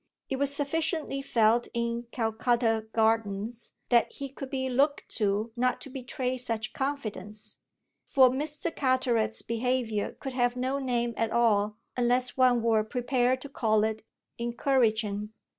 It was sufficiently felt in Calcutta Gardens that he could be looked to not to betray such confidence; for Mr. Carteret's behaviour could have no name at all unless one were prepared to call it encouraging.